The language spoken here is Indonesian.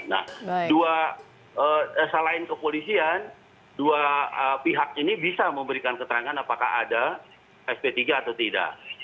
nah selain kepolisian dua pihak ini bisa memberikan keterangan apakah ada sp tiga atau tidak